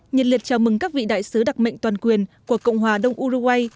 nhiệt liệt chào mừng các vị đại sứ đặc mệnh toàn quyền của cộng hòa đông uruguay